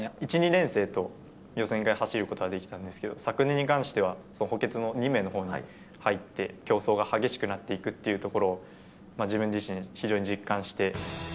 １、２年生と予選会走ることができたんですけれども、昨年に関しては補欠の２名のほうに入って、競争が激しくなっていくというところを、自分自身、非常に実感して。